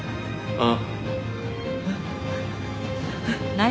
ああ！